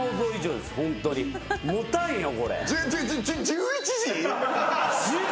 １１時！？